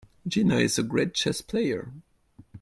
Gina is a great chess player.